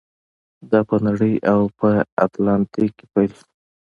دا په نړۍ او په اتلانتیک کې پیل شو.